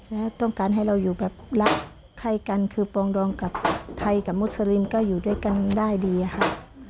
แล้วต้องการให้เราอยู่แบบรักใครกันคือปองดองกับไทยกับมุสลิมก็อยู่ด้วยกันได้ดีค่ะ